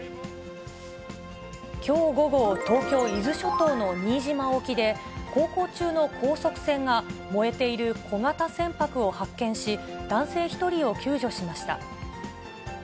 きょう午後、東京・伊豆諸島の新島沖で、航行中の高速船が、燃えている小型船舶を発見し、男性１人を救助しました。